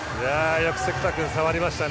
よく関田君触りましたね